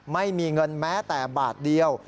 ไม่มีเงินแม้แต่บาทเดียว